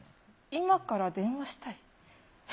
今から電話したい？え？